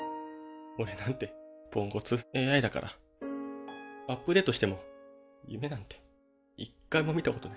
俺なんてポンコツＡＩだからアップデートしても夢なんて一回も見たことない。